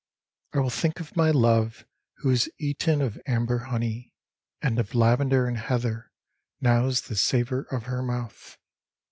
I will think of my love who has eaten of amber honey, And of lavender and heather now's the savour of her mouth.